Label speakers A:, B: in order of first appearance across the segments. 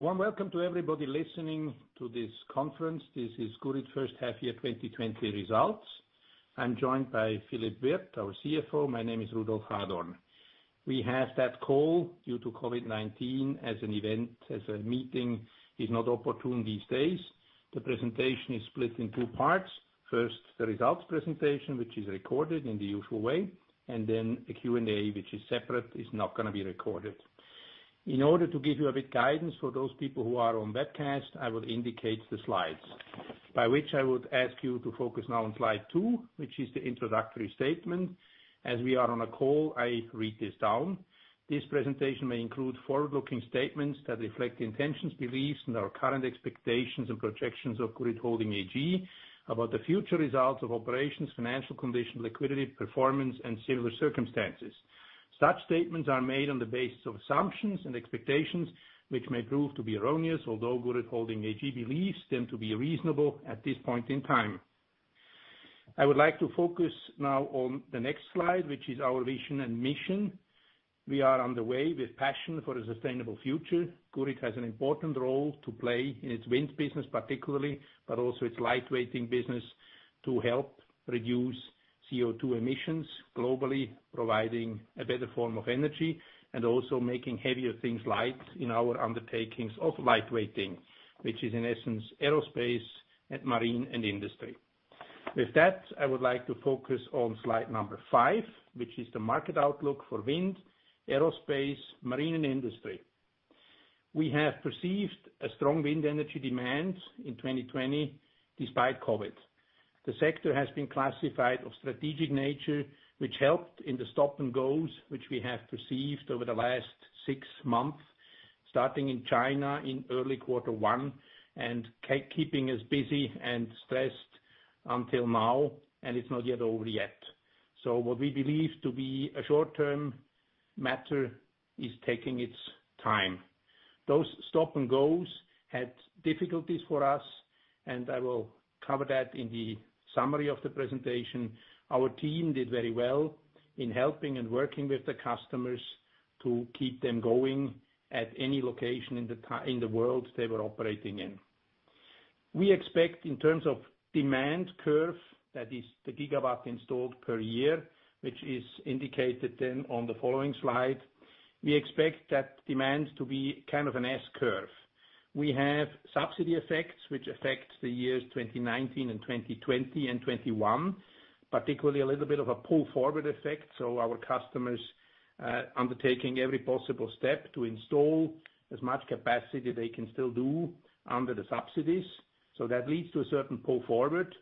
A: Warm welcome to everybody listening to this conference. This is Gurit first half year 2020 results. I'm joined by Philippe Wirth, our CFO. My name is Rudolf Hadorn. We have that call due to COVID-19 as an event, as a meeting is not opportune these days. The presentation is split in two parts. First, the results presentation, which is recorded in the usual way, and then the Q&A, which is separate, is not going to be recorded. In order to give you a bit guidance for those people who are on webcast, I will indicate the slides. By which I would ask you to focus now on slide two, which is the introductory statement. As we are on a call, I read this down. This presentation may include forward-looking statements that reflect the intentions, beliefs, and our current expectations and projections of Gurit Holding AG, about the future results of operations, financial condition, liquidity, performance, and similar circumstances. Such statements are made on the basis of assumptions and expectations, which may prove to be erroneous, although Gurit Holding AG believes them to be reasonable at this point in time. I would like to focus now on the next slide, which is our vision and mission. We are on the way with passion for a sustainable future. Gurit has an important role to play in its wind business particularly, but also its lightweighting business to help reduce CO2 emissions globally, providing a better form of energy. Also making heavier things light in our undertakings of lightweighting, which is in essence, aerospace and marine and industry. With that, I would like to focus on slide number five, which is the market outlook for wind, aerospace, marine, and industry. We have perceived a strong wind energy demand in 2020 despite COVID. The sector has been classified of strategic nature, which helped in the stop and goes, which we have perceived over the last six months, starting in China in early quarter one, and keeping us busy and stressed until now. It's not yet over yet. What we believe to be a short-term matter is taking its time. Those stop and goes had difficulties for us, and I will cover that in the summary of the presentation. Our team did very well in helping and working with the customers to keep them going at any location in the world they were operating in. We expect in terms of demand curve, that is the gigawatt installed per year, which is indicated on the following slide. We expect that demand to be an S-curve. We have subsidy effects, which affect the years 2019 and 2020 and 2021, particularly a little bit of a pull-forward effect. Our customers, undertaking every possible step to install as much capacity they can still do under the subsidies. That leads to a certain pull forward.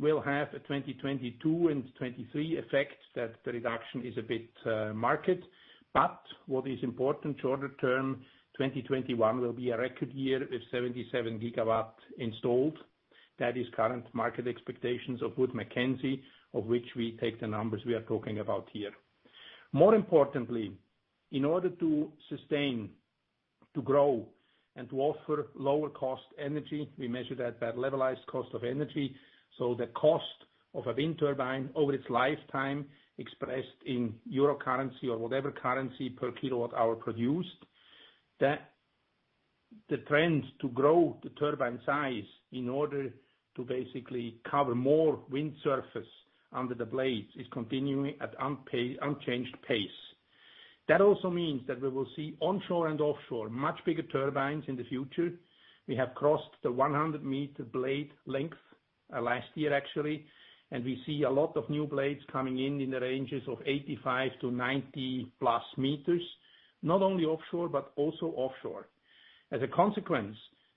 A: We'll have a 2022 and 2023 effect that the reduction is a bit, market. What is important shorter term, 2021 will be a record year with 77 GW installed. That is current market expectations of Wood Mackenzie, of which we take the numbers we are talking about here. More importantly, in order to sustain, to grow, and to offer lower cost energy, we measure that levelized cost of energy. The cost of a wind turbine over its lifetime expressed in EUR or whatever currency per kilowatt-hour produced. The trends to grow the turbine size in order to basically cover more wind surface under the blades is continuing at unchanged pace. Also means that we will see onshore and offshore much bigger turbines in the future. We have crossed the 100 m blade length last year, actually, and we see a lot of new blades coming in the ranges of 85 m-90+ m, not only onshore, but also offshore. As a consequence,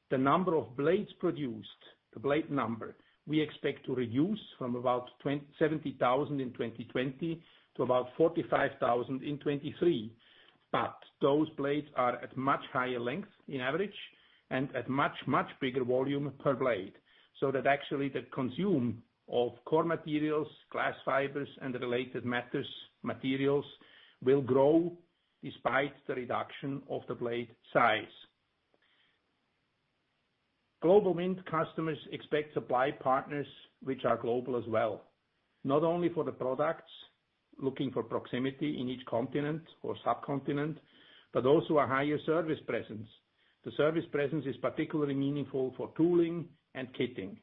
A: the number of blades produced, the blade number, we expect to reduce from about 70,000 in 2020 to about 45,000 in 2023. Those blades are at much higher length on average and at much, much bigger volume per blade. That actually the consume of core materials, glass fibers, and the related materials will grow despite the reduction of the blade size. Global wind customers expect supply partners which are global as well. Not only for the products, looking for proximity in each continent or subcontinent, but also a higher service presence. The service presence is particularly meaningful for tooling and kitting.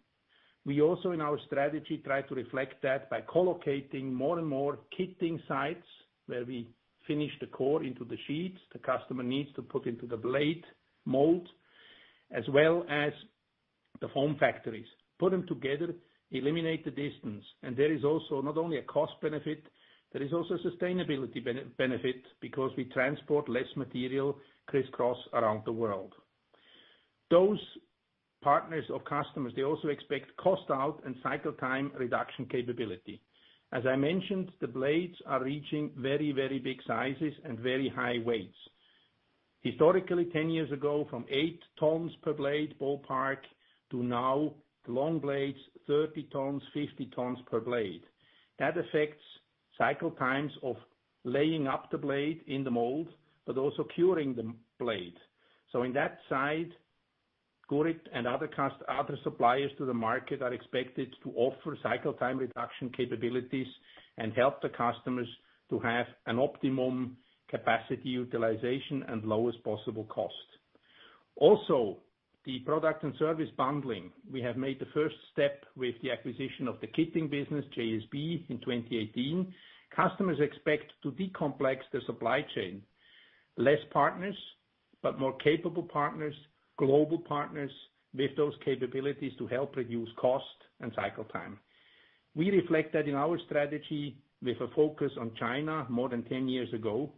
A: We also, in our strategy, try to reflect that by collocating more and more kitting sites where we finish the core into the sheets the customer needs to put into the blade mold, as well as the foam factories. Put them together, eliminate the distance. There is also not only a cost benefit, there is also sustainability benefit because we transport less material crisscross around the world. Those partners or customers, they also expect cost out and cycle time reduction capability. As I mentioned, the blades are reaching very, very big sizes and very high weights. Historically, 10 years ago, from 8 tons per blade ballpark to now long blades, 30 tons, 50 tons per blade. That affects cycle times of laying up the blade in the mold, but also curing the blades. On that side, Gurit and other suppliers to the market are expected to offer cycle time reduction capabilities and help the customers to have an optimum capacity utilization and lowest possible cost. Also, the product and service bundling. We have made the first step with the acquisition of the kitting business, JSB, in 2018. Customers expect to de-complex the supply chain. Less partners, but more capable partners, global partners with those capabilities to help reduce cost and cycle time. We reflect that in our strategy with a focus on China more than 10 years ago.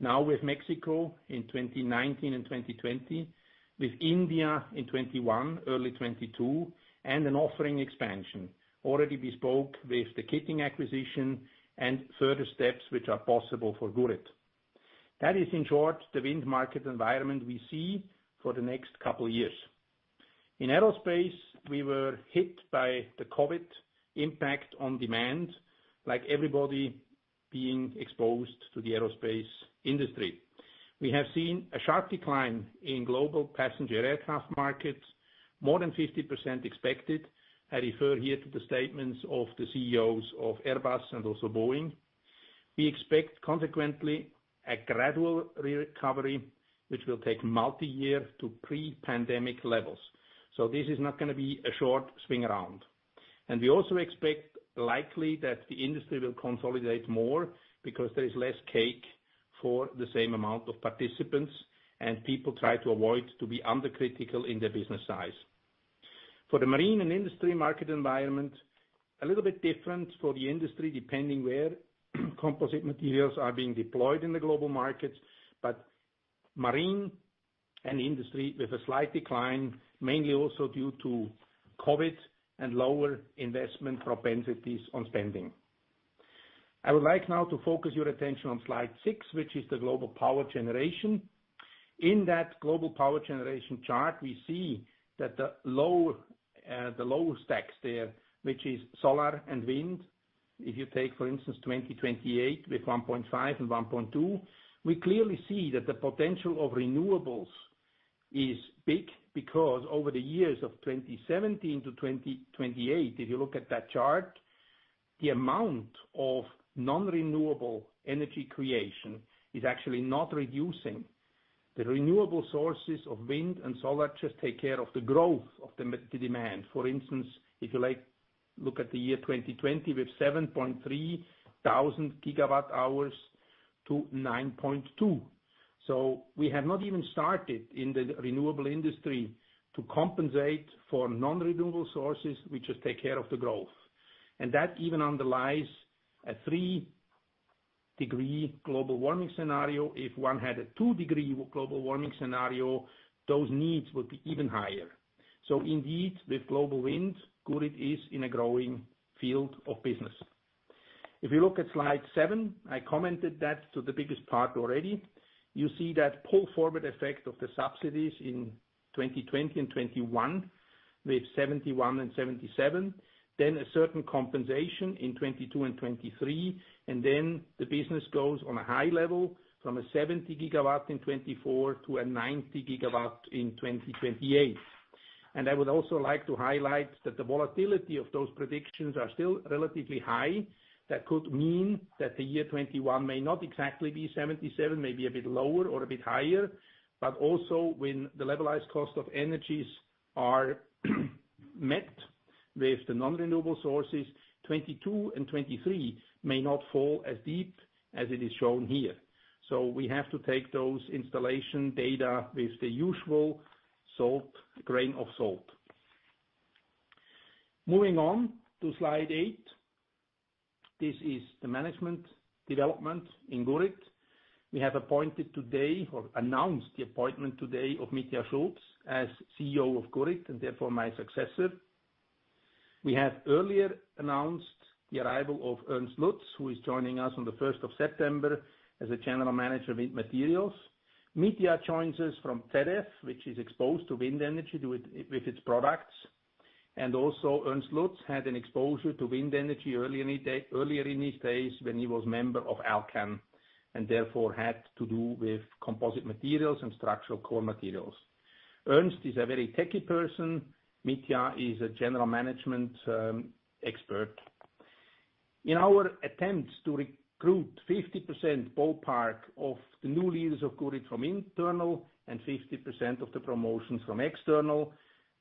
A: With Mexico in 2019 and 2020, with India in 2021, early 2022, and an offering expansion. We spoke with the kitting acquisition and further steps which are possible for Gurit. That is, in short, the wind market environment we see for the next couple of years. In aerospace, we were hit by the COVID-19 impact on demand, like everybody being exposed to the aerospace industry. We have seen a sharp decline in global passenger aircraft markets, more than 50% expected. I refer here to the statements of the CEOs of Airbus and also Boeing. We expect, consequently, a gradual recovery, which will take multi-year to pre-pandemic levels. This is not going to be a short swing around. We also expect, likely, that the industry will consolidate more because there is less cake for the same amount of participants, and people try to avoid to be under critical in their business size. For the marine and industry market environment, a little bit different for the industry, depending where composite materials are being deployed in the global markets. Marine and industry with a slight decline, mainly also due to COVID and lower investment propensities on spending. I would like now to focus your attention on slide six, which is the global power generation. In that global power generation chart, we see that the lower stacks there, which is solar and wind. If you take, for instance, 2028 with 1.5 and 1.2, we clearly see that the potential of renewables is big, because over the years of 2017-2028, if you look at that chart, the amount of non-renewable energy creation is actually not reducing. The renewable sources of wind and solar just take care of the growth of the demand. For instance, if you look at the year 2020, we have 7,300 GWh-9,200 GWh. We have not even started in the renewable industry to compensate for non-renewable sources. We just take care of the growth. That even underlies a three-degree global warming scenario. If one had a two-degree global warming scenario, those needs would be even higher. Indeed, with global wind, Gurit is in a growing field of business. If you look at slide seven, I commented that to the biggest part already. You see that pull-forward effect of the subsidies in 2020 and 2021, with 71 GW and 77 GW. A certain compensation in 2022 and 2023. The business goes on a high level from a 70 GW in 2024 to a 90 GW in 2028. I would also like to highlight that the volatility of those predictions are still relatively high. That could mean that the year 2021 may not exactly be 77 GW, may be a bit lower or a bit higher. Also when the levelized cost of energy are met with the non-renewable sources, 2022 and 2023 may not fall as deep as it is shown here. We have to take those installation data with the usual grain of salt. Moving on to slide eight. This is the management development in Gurit. We have appointed today or announced the appointment today of Mitja Schulz as CEO of Gurit, and therefore my successor. We have earlier announced the arrival of Ernst Lutz, who is joining us on the 1st of September as a general manager of materials. Mitja joins us from Terex, which is exposed to wind energy with its products. Also Ernst Lutz had an exposure to wind energy earlier in his days when he was member of Alcan, and therefore had to do with composite materials and structural core materials. Ernst is a very techy person. Mitja is a general management expert. In our attempts to recruit 50% ballpark of the new leaders of Gurit from internal and 50% of the promotions from external.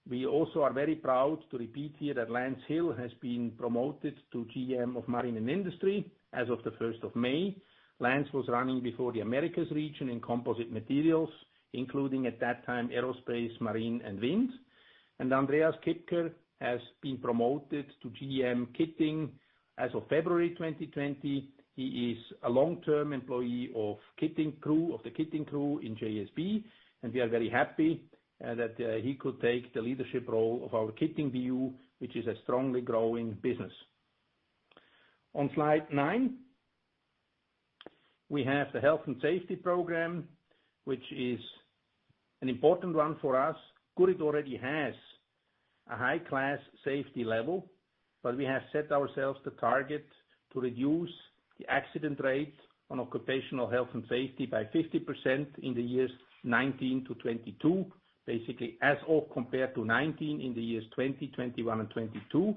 A: We also are very proud to repeat here that Lance Hill has been promoted to GM of marine and industry as of the 1st of May. Lance was running before the Americas region in composite materials, including at that time, aerospace, marine and wind. Andreas Kipke has been promoted to GM Kitting as of February 2020. He is a long-term employee of the kitting crew in JSB, and we are very happy that he could take the leadership role of our kitting BU, which is a strongly growing business. On slide nine, we have the health and safety program, which is an important one for us. Gurit already has a high-class safety level, but we have set ourselves the target to reduce the accident rate on occupational health and safety by 50% in the years 2019-2022, basically as of compared to 2019 in the years 2020, 2021 and 2022.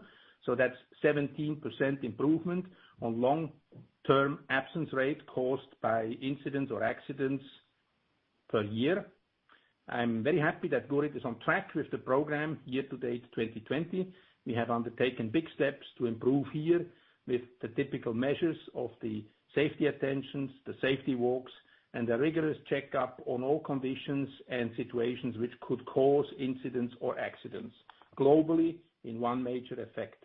A: That's 17% improvement on long-term absence rate caused by incidents or accidents per year. I'm very happy that Gurit is on track with the program year to date 2020. We have undertaken big steps to improve here with the typical measures of the safety attentions, the safety walks, and the rigorous checkup on all conditions and situations which could cause incidents or accidents globally in one major effect.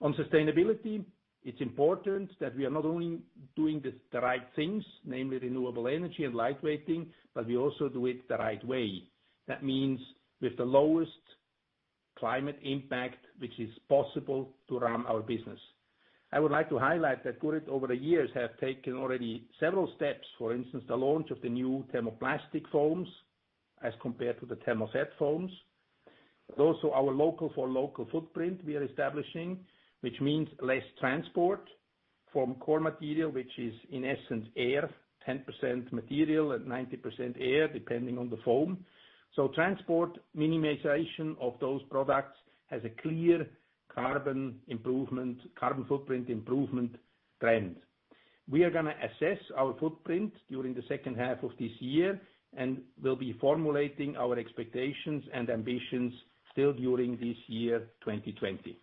A: On sustainability, it's important that we are not only doing the right things, namely renewable energy and light weighting, but we also do it the right way. That means with the lowest climate impact, which is possible to run our business. I would like to highlight that Gurit, over the years, have taken already several steps. For instance, the launch of the new thermoplastic foams as compared to the thermoset foams. Also our local for local footprint we are establishing, which means less transport from core material, which is in essence air, 10% material and 90% air, depending on the foam. Transport minimization of those products has a clear carbon footprint improvement trend. We are going to assess our footprint during the second half of this year, and we'll be formulating our expectations and ambitions still during this year, 2020.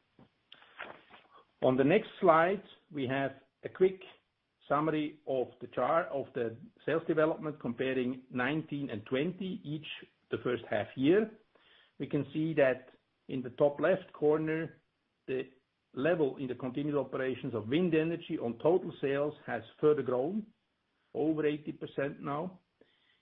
A: On the next slide, we have a quick summary of the chart of the sales development comparing 2019 and 2020, each the first half year. We can see that in the top left corner, the level in the continued operations of wind energy on total sales has further grown, over 80% now.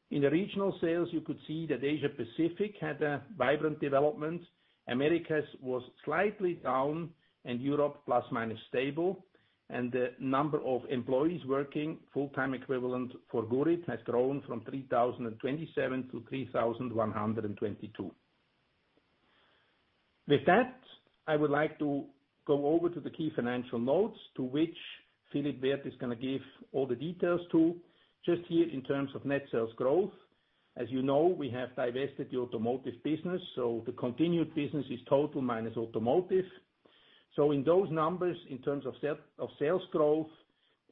A: In the regional sales, you could see that Asia Pacific had a vibrant development. Americas was slightly down, Europe plus-minus stable, and the number of employees working full-time equivalent for Gurit has grown from 3,027 to 3,122. With that, I would like to go over to the key financial notes to which Philippe Wirth is going to give all the details to. Just here in terms of net sales growth. As you know, we have divested the automotive business, so the continued business is total minus automotive. In those numbers, in terms of sales growth,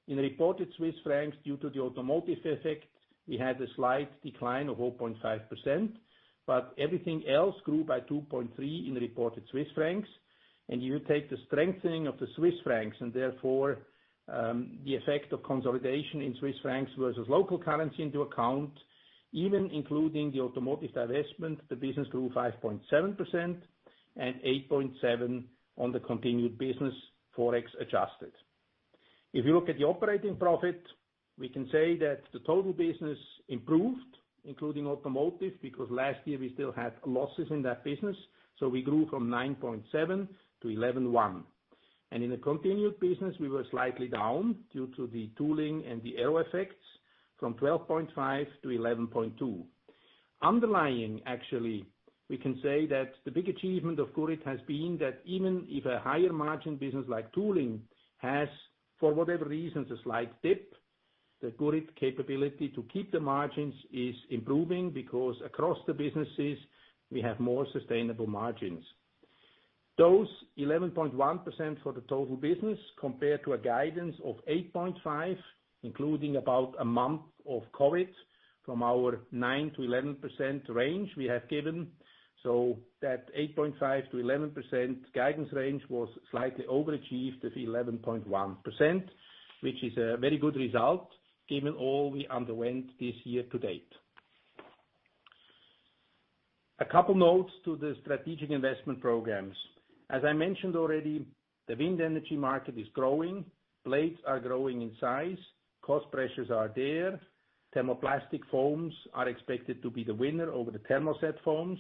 A: in reported Swiss francs, due to the automotive effect, we had a slight decline of 0.5%, but everything else grew by 2.3% in reported Swiss francs. You take the strengthening of the Swiss francs and therefore, the effect of consolidation in Swiss francs versus local currency into account. Even including the automotive divestment, the business grew 5.7% and 8.7% on the continued business ForEx adjusted. If you look at the operating profit, we can say that the total business improved, including automotive, because last year we still had losses in that business. We grew from 9.7% to 11.1%. In the continued business, we were slightly down due to the tooling and the aero effects from 12.5% to 11.2%. Underlying, actually, we can say that the big achievement of Gurit has been that even if a higher margin business like tooling has, for whatever reason, a slight dip, the Gurit capability to keep the margins is improving because across the businesses, we have more sustainable margins. Those 11.1% for the total business compare to a guidance of 8.5%, including about a month of COVID-19 from our 9%-11% range we have given. That 8.5%-11% guidance range was slightly overachieved at 11.1%, which is a very good result given all we underwent this year to date. A couple notes to the strategic investment programs. As I mentioned already, the wind energy market is growing. Blades are growing in size. Cost pressures are there. thermoplastic foams are expected to be the winner over the thermoset foams.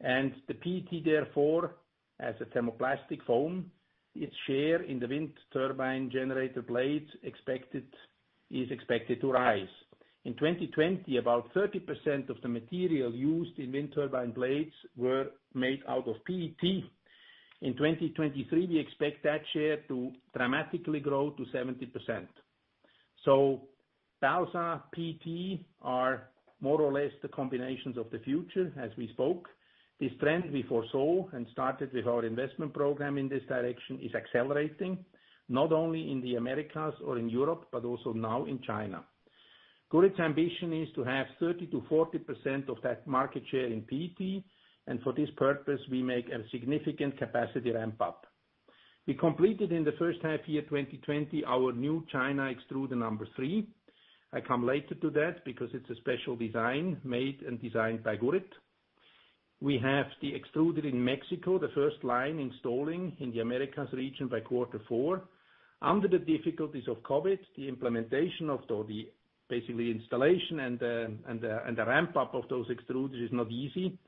A: The PET-G, therefore, as a thermoplastic foam, its share in the wind turbine generator blades is expected to rise. In 2020, about 30% of the material used in wind turbine blades were made out of PET. In 2023, we expect that share to dramatically grow to 70%. balsa PET are more or less the combinations of the future as we spoke. This trend we foresaw and started with our investment program in this direction is accelerating, not only in the Americas or in Europe, but also now in China. Gurit's ambition is to have 30%-40% of that market share in PET, and for this purpose, we make a significant capacity ramp-up. We completed in the first half year 2020, our new China extruder number three. I come later to that because it's a special design made and designed by Gurit. We have the extruder in Mexico, the first line installing in the Americas region by quarter four. Under the difficulties of COVID, basically installation and the ramp-up of those extruders is not easy.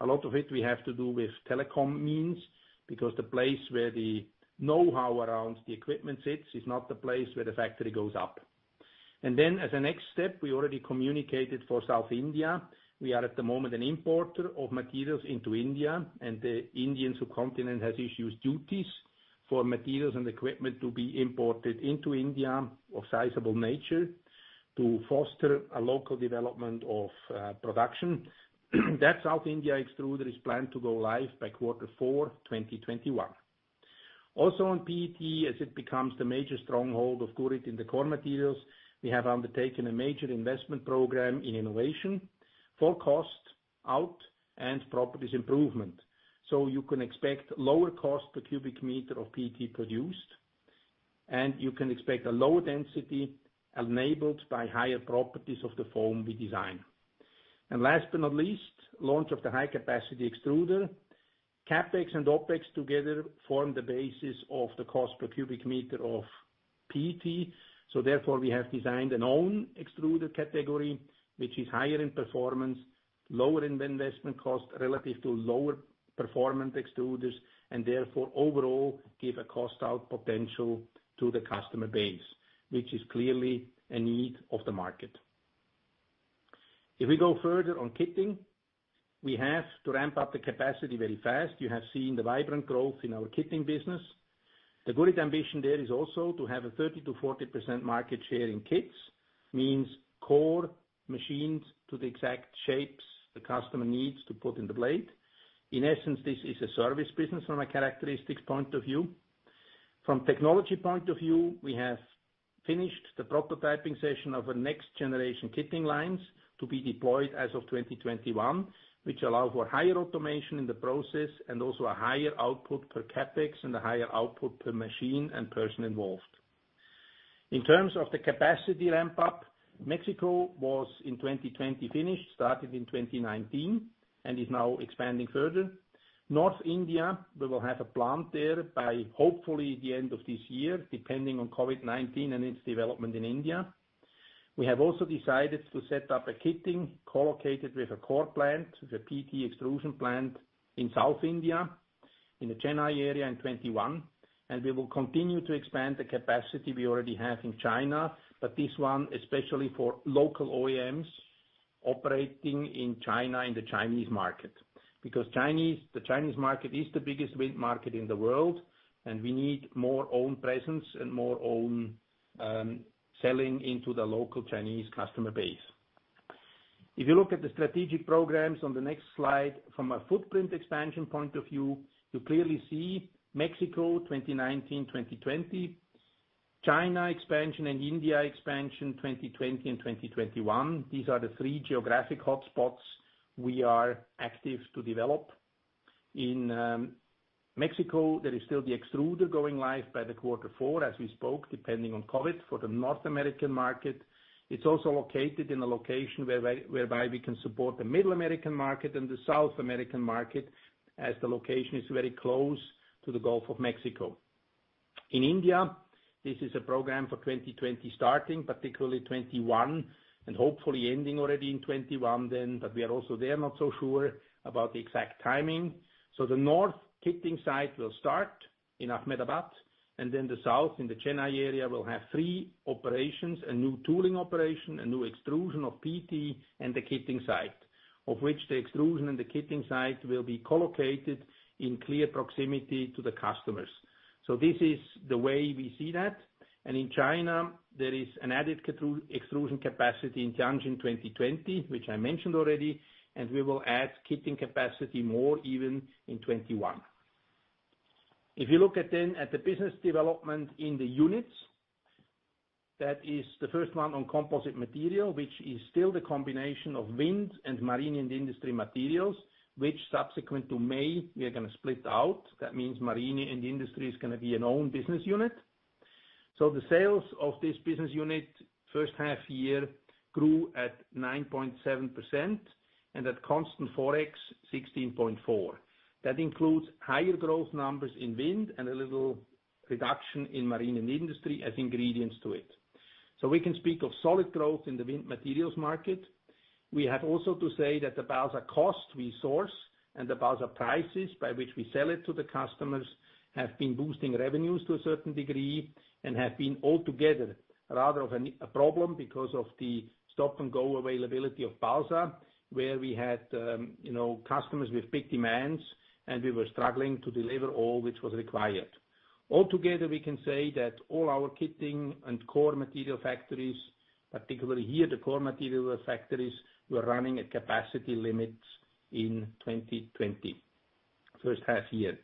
A: A lot of it we have to do with telecom means because the place where the knowhow around the equipment sits is not the place where the factory goes up. As a next step, we already communicated for South India. We are at the moment an importer of materials into India, and the Indian subcontinent has issued duties for materials and equipment to be imported into India of sizable nature to foster a local development of production. That South India extruder is planned to go live by quarter four 2021. On PET, as it becomes the major stronghold of Gurit in the core materials, we have undertaken a major investment program in innovation for cost out and properties improvement. You can expect lower cost per cubic meter of PET produced, and you can expect a lower density enabled by higher properties of the foam we design. Last but not least, launch of the high-capacity extruder. CapEx and OpEx together form the basis of the cost per cubic meter of PET, so therefore, we have designed an own extruder category, which is higher in performance, lower in investment cost relative to lower performance extruders, and therefore, overall give a cost-out potential to the customer base, which is clearly a need of the market. If we go further on kitting, we have to ramp up the capacity very fast. You have seen the vibrant growth in our kitting business. The Gurit ambition there is also to have a 30%-40% market share in kits, means core machined to the exact shapes the customer needs to put in the blade. In essence, this is a service business from a characteristics point of view. From technology point of view, we have finished the prototyping session of our next-generation kitting lines to be deployed as of 2021, which allow for higher automation in the process and also a higher output per CapEx and a higher output per machine and person involved. In terms of the capacity ramp-up, Mexico was in 2020 finished, started in 2019, and is now expanding further. North India, we will have a plant there by hopefully the end of this year, depending on COVID-19 and its development in India. We have also decided to set up a kitting co-located with a core plant, with a PET extrusion plant in South India, in the Chennai area in 2021. We will continue to expand the capacity we already have in China, but this one, especially for local OEMs operating in China in the Chinese market. The Chinese market is the biggest wind market in the world, and we need more own presence and more own selling into the local Chinese customer base. If you look at the strategic programs on the next slide from a footprint expansion point of view, you clearly see Mexico 2019, 2020. China expansion and India expansion 2020 and 2021. These are the three geographic hotspots we are active to develop. In Mexico, there is still the extruder going live by the quarter four, as we spoke, depending on COVID, for the North American market. It's also located in a location whereby we can support the Middle American market and the South American market as the location is very close to the Gulf of Mexico. In India, this is a program for 2020 starting, particularly 2021, and hopefully ending already in 2021 then. We are also there not so sure about the exact timing. The north kitting site will start in Ahmedabad, and then the south in the Chennai area will have three operations, a new tooling operation, a new extrusion of PET, and the kitting site, of which the extrusion and the kitting site will be co-located in clear proximity to the customers. In China, there is an added extrusion capacity in Tianjin 2020, which I mentioned already, and we will add kitting capacity more even in 2021. You look at then at the business development in the units, that is the first one on composite material, which is still the combination of Wind and Marine & Industrial Materials, which subsequent to May, we are going to split out. That means Marine & Industrial Materials is going to be an own business unit. The sales of this business unit first half year grew at 9.7%, and at constant ForEx, 16.4%. That includes higher growth numbers in Wind and a little reduction in Marine & Industrial Materials as ingredients to it. We can speak of solid growth in the Wind Materials market. We have also to say that the balsa cost we source and the balsa prices by which we sell it to the customers have been boosting revenues to a certain degree and have been altogether rather of a problem because of the stop-and-go availability of balsa, where we had customers with big demands, and we were struggling to deliver all which was required. Altogether, we can say that all our kitting and core material factories, particularly here, the core material factories, were running at capacity limits in 2020, first half year.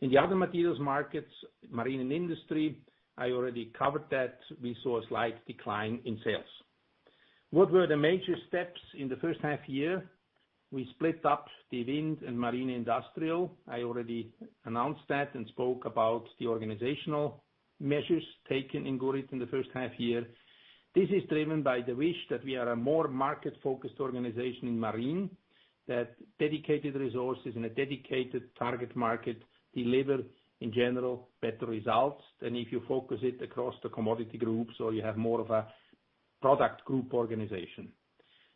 A: In the other materials markets, marine and industry, I already covered that. We saw a slight decline in sales. What were the major steps in the first half year? We split up the wind and marine industrial. I already announced that and spoke about the organizational measures taken in Gurit in the first half year. This is driven by the wish that we are a more market-focused organization in marine, that dedicated resources and a dedicated target market deliver, in general, better results than if you focus it across the commodity groups or you have more of a product group organization.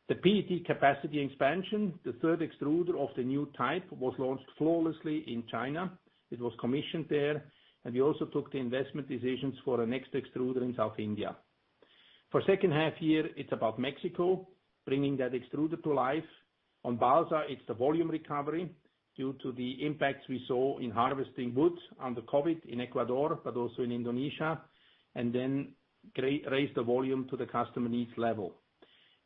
A: The PET capacity expansion, the third extruder of the new type, was launched flawlessly in China. It was commissioned there, and we also took the investment decisions for the next extruder in South India. For second half year, it's about Mexico, bringing that extruder to life. On Balsa, it's the volume recovery due to the impacts we saw in harvesting wood under COVID in Ecuador, but also in Indonesia, and then raise the volume to the customer needs level.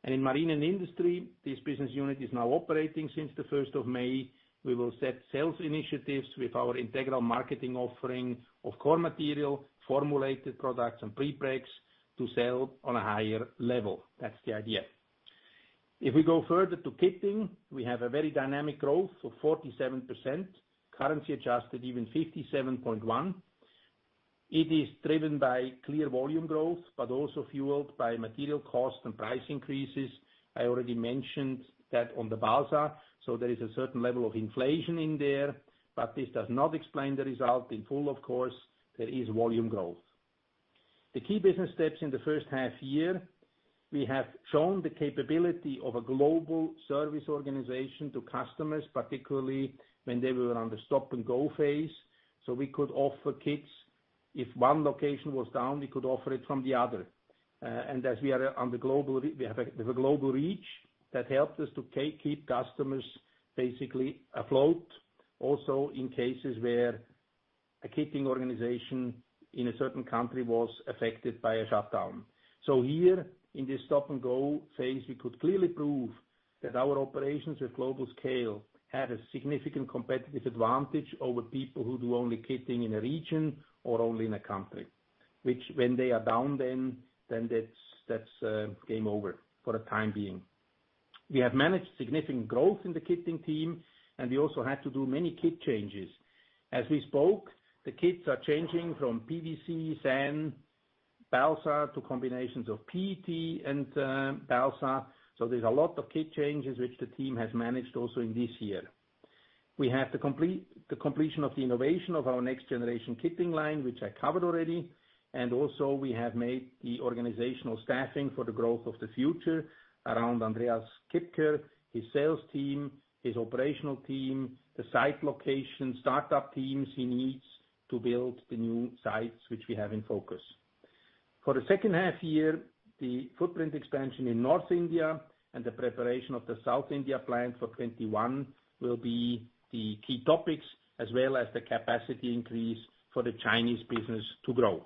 A: In Marine and Industry, this business unit is now operating since the 1st of May. We will set sales initiatives with our integral marketing offering of core material, formulated products, and prepregs to sell on a higher level. That's the idea. We go further to kitting, we have a very dynamic growth of 47%, currency adjusted, even 57.1%. It is driven by clear volume growth, but also fueled by material cost and price increases. I already mentioned that on the balsa. There is a certain level of inflation in there, but this does not explain the result in full, of course. There is volume growth. The key business steps in the first half year, we have shown the capability of a global service organization to customers, particularly when they were on the stop-and-go phase. We could offer kits. If one location was down, we could offer it from the other. As we have a global reach, that helped us to keep customers basically afloat, also in cases where a kitting organization in a certain country was affected by a shutdown. Here, in this stop-and-go phase, we could clearly prove that our operations at global scale had a significant competitive advantage over people who do only kitting in a region or only in a country. Which, when they are down, then that's game over for the time being. We have managed significant growth in the kitting team, and we also had to do many kit changes. As we spoke, the kits are changing from PVC, SAN, balsa, to combinations of PET and balsa. There's a lot of kit changes which the team has managed also in this year. We have the completion of the innovation of our next-generation kitting line, which I covered already. Also, we have made the organizational staffing for the growth of the future around Andreas Kipke, his sales team, his operational team, the site location, startup teams he needs to build the new sites which we have in focus. For the second half year, the footprint expansion in North India and the preparation of the South India plant for 2021 will be the key topics, as well as the capacity increase for the Chinese business to grow.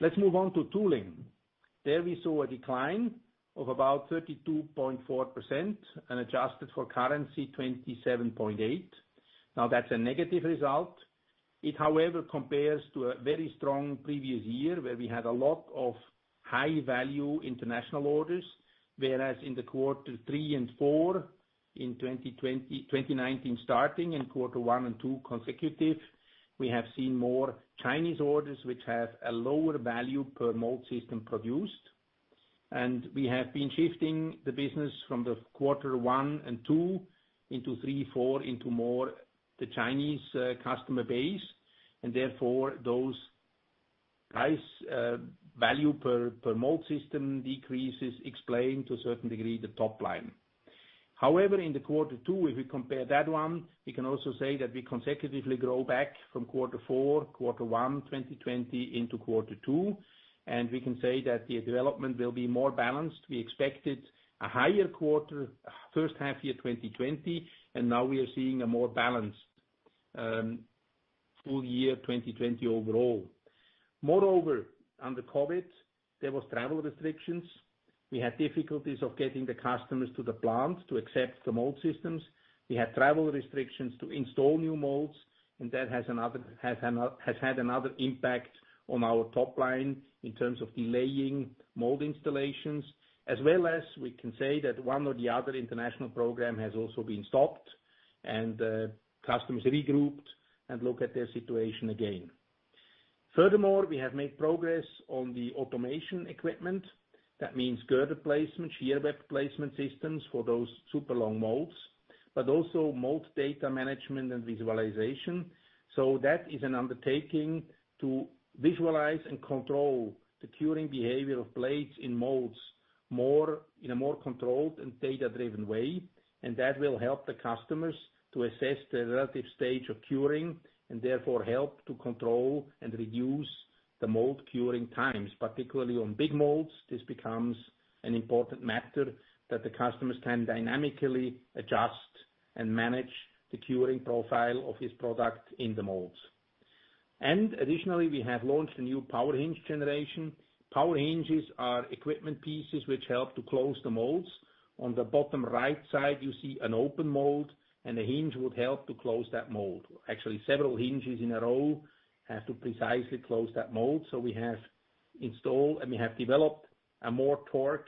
A: Let's move on to tooling. There we saw a decline of about 32.4%, and adjusted for currency, 27.8%. That's a negative result. It, however, compares to a very strong previous year, where we had a lot of high-value international orders. Whereas in the quarter 3 and 4 in 2019 starting, and quarter one and two consecutive, we have seen more Chinese orders, which have a lower value per mold system produced. We have been shifting the business from the quarter one and two into three, four, into more the Chinese customer base. Therefore, those price value per mold system decreases explain, to a certain degree, the top line. However, in the quarter two, if we compare that one, we can also say that we consecutively grow back from quarter four, quarter one 2020 into quarter two, and we can say that the development will be more balanced. We expected a higher first half year 2020, and now we are seeing a more balanced full year 2020 overall. Moreover, under COVID, there was travel restrictions. We had difficulties of getting the customers to the plant to accept the mold systems. We had travel restrictions to install new molds, and that has had another impact on our top line in terms of delaying mold installations. As well as we can say that one or the other international program has also been stopped, and customers regrouped and look at their situation again. Furthermore, we have made progress on the automation equipment. That means girder placement, shear web placement systems for those super long molds, but also mold data management and visualization. That is an undertaking to visualize and control the curing behavior of plates in molds in a more controlled and data-driven way. That will help the customers to assess the relative stage of curing, and therefore help to control and reduce the mold curing times. Particularly on big molds, this becomes an important matter that the customers can dynamically adjust and manage the curing profile of his product in the molds. Additionally, we have launched a new power hinge generation. Power hinges are equipment pieces which help to close the molds. On the bottom right side, you see an open mold, and a hinge would help to close that mold. Actually, several hinges in a row have to precisely close that mold. We have installed and we have developed a more torque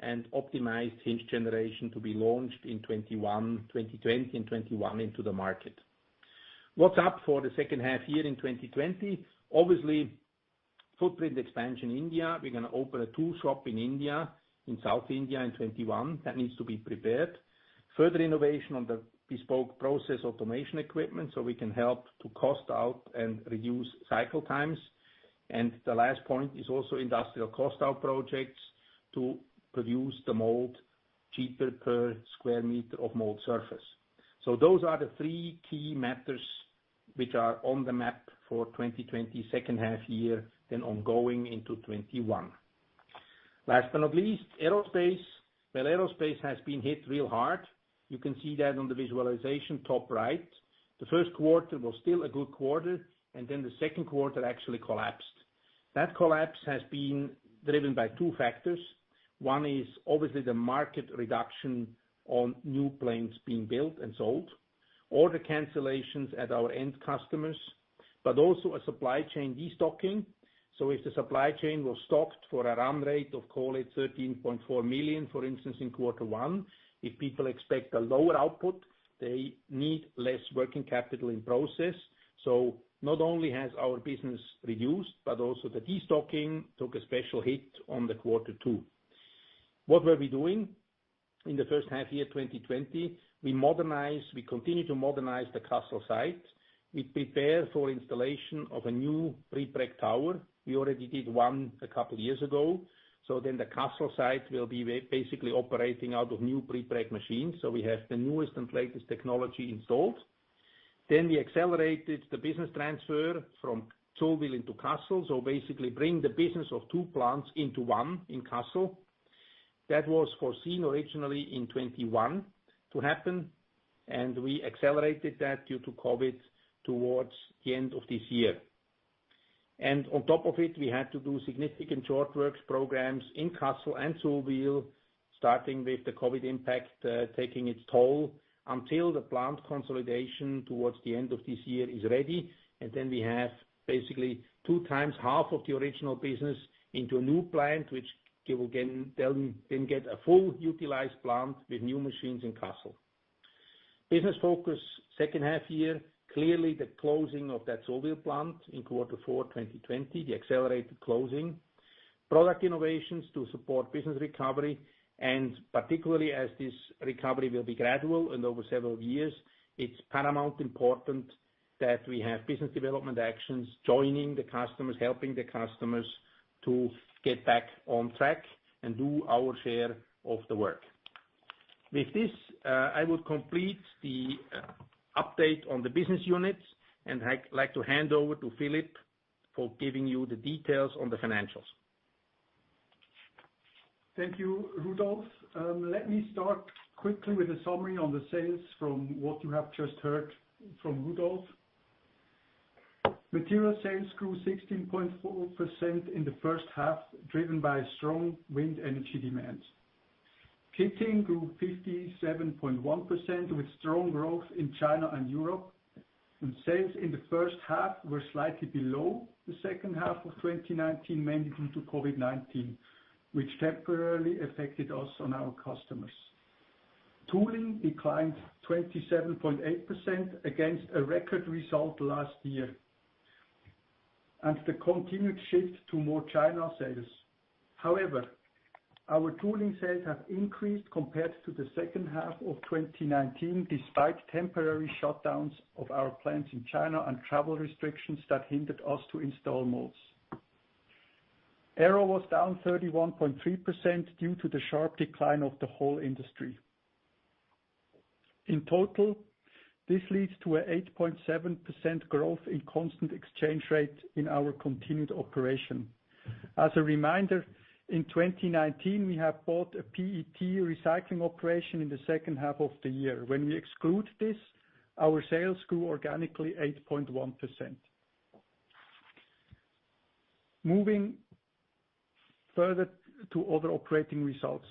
A: and optimized hinge generation to be launched in 2020 and 2021 into the market. What's up for the second half year in 2020? Obviously, footprint expansion India. We're going to open a tool shop in India, in South India in 2021. That needs to be prepared. Further innovation on the bespoke process automation equipment, so we can help to cost out and reduce cycle times. The last point is also industrial cost-out projects to produce the mold cheaper per square meter of mold surface. Those are the three key matters which are on the map for 2020 second half year, then ongoing into 2021. Last but not least, aerospace. Well, aerospace has been hit real hard. You can see that on the visualization, top right. The first quarter was still a good quarter, and then the second quarter actually collapsed. That collapse has been driven by two factors. One is obviously the market reduction on new planes being built and sold, order cancellations at our end customers, but also a supply chain de-stocking. If the supply chain was stocked for a run rate of, call it 13.4 million, for instance, in quarter one, if people expect a lower output, they need less working capital in process. Not only has our business reduced, but also the de-stocking took a special hit on the quarter two. What were we doing in the first half year 2020? We continue to modernize the Kassel site. We prepare for installation of a new prepreg tower. We already did one a couple of years ago. The Kassel site will be basically operating out of new prepreg machines. We have the newest and latest technology installed. We accelerated the business transfer from Zullwil into Kassel. Basically bring the business of two plants into one in Kassel. That was foreseen originally in 2021 to happen, and we accelerated that due to COVID towards the end of this year. We had to do significant short works programs in Kassel and Zullwil, starting with the COVID impact, taking its toll, until the plant consolidation towards the end of this year is ready. We have basically two times half of the original business into a new plant, which they will then get a full utilized plant with new machines in Kassel. Business focus second half-year, clearly the closing of that Zullwil plant in Q4 2020, the accelerated closing. Product innovations to support business recovery. Particularly as this recovery will be gradual and over several years, it's paramount important that we have business development actions joining the customers, helping the customers to get back on track and do our share of the work. With this, I will complete the update on the business units. I'd like to hand over to Philippe for giving you the details on the financials.
B: Thank you, Rudolf. Let me start quickly with a summary on the sales from what you have just heard from Rudolf. Material sales grew 16.4% in the first half, driven by strong wind energy demands. Kitting grew 57.1% with strong growth in China and Europe. Sales in the first half were slightly below the second half of 2019, mainly due to COVID-19, which temporarily affected us and our customers. Tooling declined 27.8% against a record result last year, and the continued shift to more China sales. However, our tooling sales have increased compared to the second half of 2019, despite temporary shutdowns of our plants in China and travel restrictions that hindered us to install molds. Aero was down 31.3% due to the sharp decline of the whole industry. In total, this leads to a 8.7% growth in constant exchange rate in our continued operation. As a reminder, in 2019, we have bought a PET recycling operation in the second half of the year. When we exclude this, our sales grew organically 8.1%. Moving further to other operating results.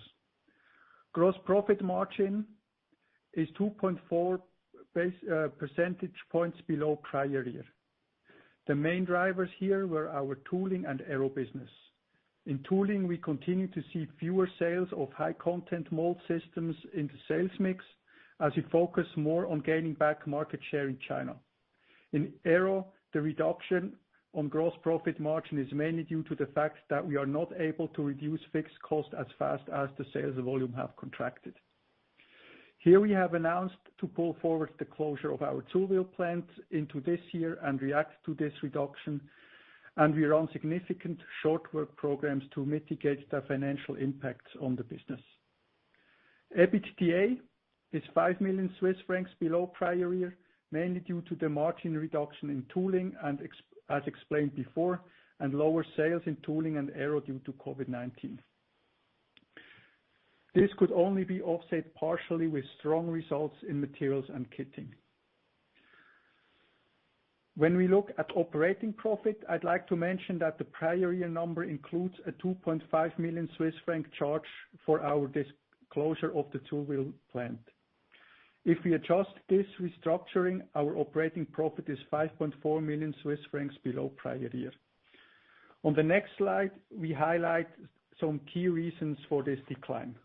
B: Gross profit margin is 2.4 percentage points below prior year. The main drivers here were our tooling and aero business. In tooling, we continue to see fewer sales of high-content mold systems in the sales mix, as we focus more on gaining back market share in China. In aero, the reduction on gross profit margin is mainly due to the fact that we are not able to reduce fixed cost as fast as the sales volume have contracted. Here we have announced to pull forward the closure of our Zullwil plant into this year and react to this reduction, and we are on significant short work programs to mitigate the financial impacts on the business. EBITDA is 5 million Swiss francs below prior year, mainly due to the margin reduction in tooling and, as explained before, and lower sales in tooling and aero due to COVID-19. This could only be offset partially with strong results in materials and kitting. When we look at operating profit, I'd like to mention that the prior year number includes a 2.5 million Swiss franc charge for our closure of the Zullwil plant. If we adjust this restructuring, our operating profit is 5.4 million Swiss francs below prior year. On the next slide, we highlight some key reasons for this decline.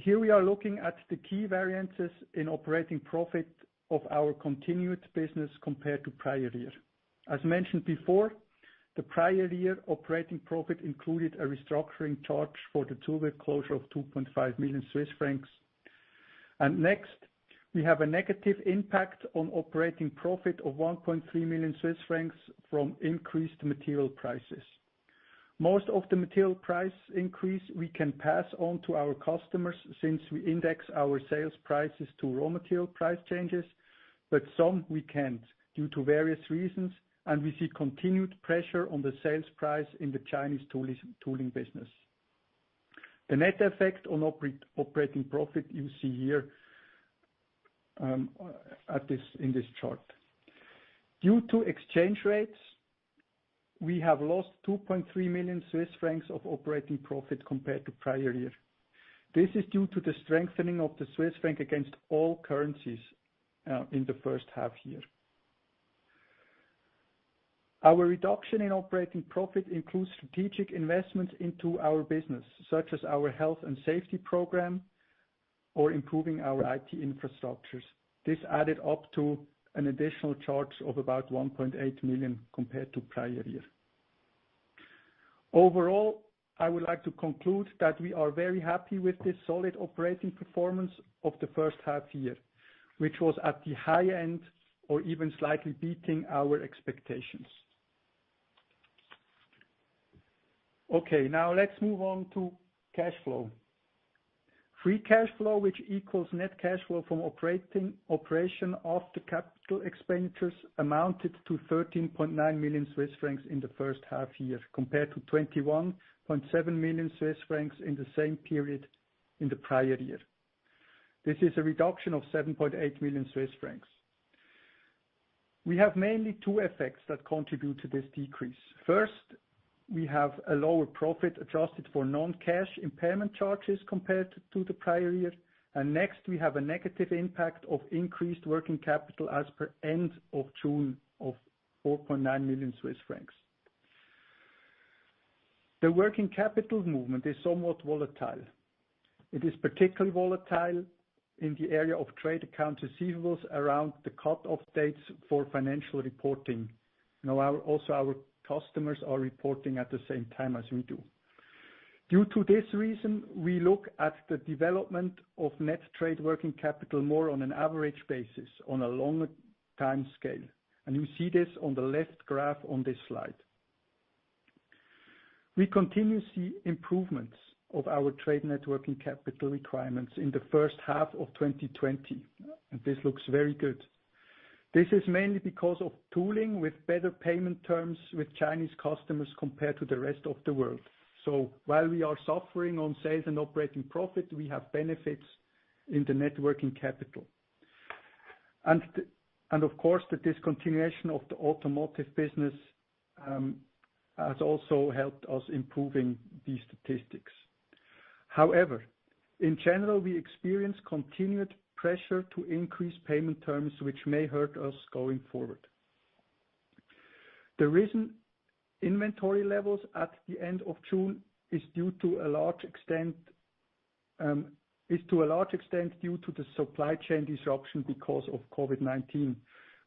B: Here we are looking at the key variances in operating profit of our continued business compared to prior year. As mentioned before, the prior year operating profit included a restructuring charge for the Zullwil closure of 2.5 million Swiss francs. Next, we have a negative impact on operating profit of 1.3 million Swiss francs from increased material prices. Most of the material price increase we can pass on to our customers since we index our sales prices to raw material price changes, but some we can't due to various reasons, and we see continued pressure on the sales price in the Chinese tooling business. The net effect on operating profit you see here in this chart. Due to exchange rates, we have lost 2.3 million Swiss francs of operating profit compared to prior year. This is due to the strengthening of the Swiss franc against all currencies in the first half year. Our reduction in operating profit includes strategic investments into our business, such as our health and safety program or improving our IT infrastructures. This added up to an additional charge of about 1.8 million compared to prior year. Overall, I would like to conclude that we are very happy with this solid operating performance of the first half year, which was at the high end or even slightly beating our expectations. Okay, now let's move on to cash flow. Free cash flow, which equals net cash flow from operation after capital expenditures, amounted to 13.9 million Swiss francs in the first half year, compared to 21.7 million Swiss francs in the same period in the prior year. This is a reduction of 7.8 million Swiss francs. We have mainly two effects that contribute to this decrease. First, we have a lower profit adjusted for non-cash impairment charges compared to the prior year, and next, we have a negative impact of increased working capital as per end of June of 4.9 million Swiss francs. The working capital movement is somewhat volatile. It is particularly volatile in the area of trade account receivables around the cut-off dates for financial reporting. Also our customers are reporting at the same time as we do. Due to this reason, we look at the development of net trade working capital more on an average basis, on a longer timescale, and you see this on the left graph on this slide. We continue to see improvements of our net trade working capital requirements in the first half of 2020. This looks very good. This is mainly because of tooling with better payment terms with Chinese customers compared to the rest of the world. While we are suffering on sales and operating profit, we have benefits in the net working capital. Of course, the discontinuation of the automotive business has also helped us improving these statistics. In general, we experience continued pressure to increase payment terms, which may hurt us going forward. The reason inventory levels at the end of June is to a large extent due to the supply chain disruption because of COVID-19,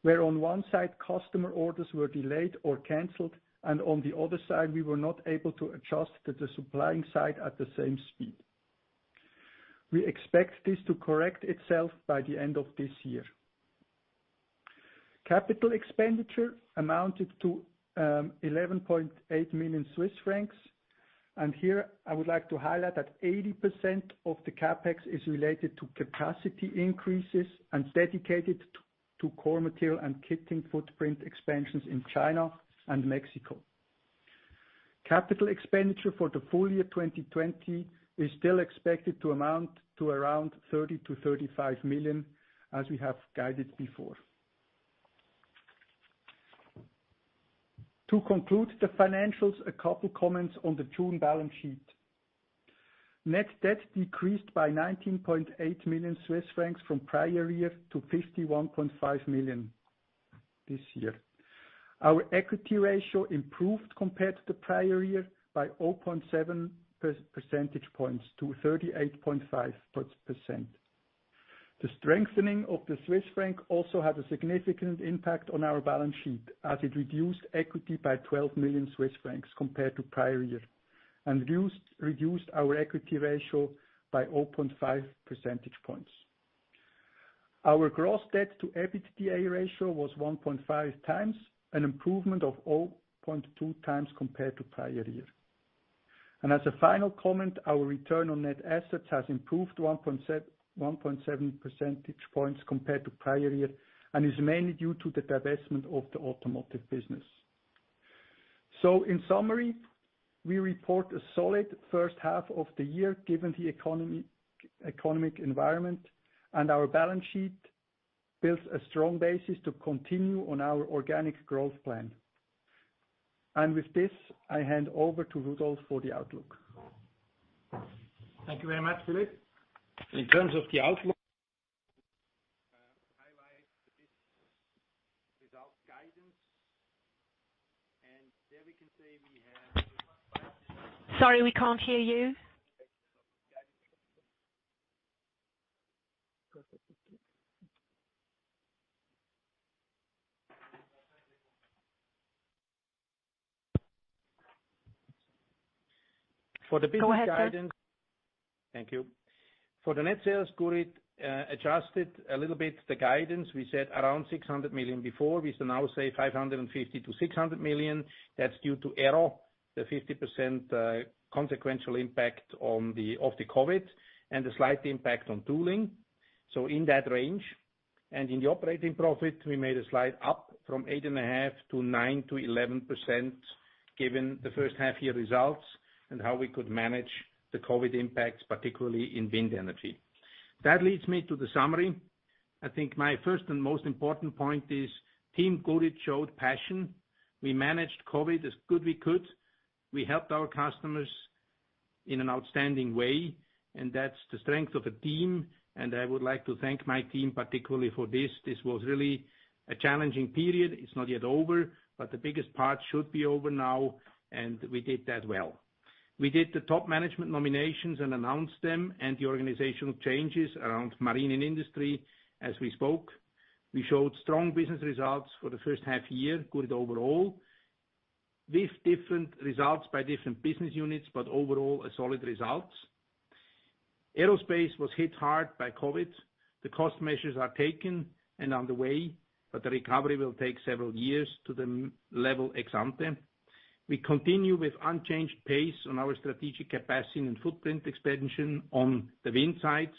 B: where on one side, customer orders were delayed or canceled, and on the other side, we were not able to adjust to the supplying side at the same speed. We expect this to correct itself by the end of this year. Capital expenditure amounted to 11.8 million Swiss francs, and here I would like to highlight that 80% of the CapEx is related to capacity increases and dedicated to core material and kitting footprint expansions in China and Mexico. Capital expenditure for the full year 2020 is still expected to amount to around 30 million-35 million, as we have guided before. To conclude the financials, a couple comments on the June balance sheet. Net debt decreased by 19.8 million Swiss francs from prior year to 51.5 million this year. Our equity ratio improved compared to the prior year by 0.7 percentage points to 38.5%. The strengthening of the Swiss franc also had a significant impact on our balance sheet, as it reduced equity by 12 million Swiss francs compared to prior year and reduced our equity ratio by 0.5 percentage points. Our gross debt to EBITDA ratio was 1.5 times, an improvement of 0.2 times compared to prior year. As a final comment, our return on net assets has improved 1.7 percentage points compared to prior year and is mainly due to the divestment of the automotive business. In summary, we report a solid first half of the year given the economic environment. Our balance sheet builds a strong basis to continue on our organic growth plan. With this, I hand over to Rudolf for the outlook.
A: Thank you very much, Philippe. In terms of the outlook
C: Sorry, we can't hear you.
A: For the business guidance-
C: Go ahead, sir.
A: Thank you. For the net sales, Gurit adjusted a little bit the guidance. We said around 600 million before. We now say 550 million-600 million. That is due to Aero, the 50% consequential impact of the COVID, and the slight impact on tooling. So in that range. In the operating profit, we made a slide up from 8.5% to 9% to 11%, given the first half-year results and how we could manage the COVID impacts, particularly in wind energy. That leads me to the summary. I think my first and most important point is Team Gurit showed passion. We managed COVID as good we could. We helped our customers in an outstanding way, and that is the strength of a team, and I would like to thank my team particularly for this. This was really a challenging period. It's not yet over, but the biggest part should be over now, and we did that well. We did the top management nominations and announced them and the organizational changes around marine and industry as we spoke. We showed strong business results for the first half-year, Gurit overall, with different results by different business units, but overall, a solid result. Aerospace was hit hard by COVID. The cost measures are taken and on the way, but the recovery will take several years to the level ex-ante. We continue with unchanged pace on our strategic capacity and footprint expansion on the wind sites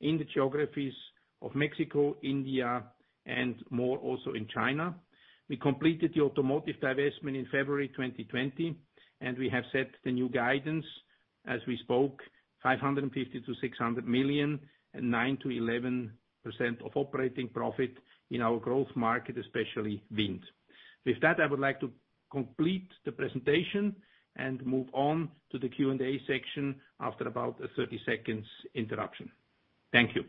A: in the geographies of Mexico, India, and more also in China. We completed the automotive divestment in February 2020, and we have set the new guidance as we spoke, 550 million-600 million and 9%-11% of operating profit in our growth market, especially wind. With that, I would like to complete the presentation and move on to the Q&A section after about a 30 seconds interruption. Thank you.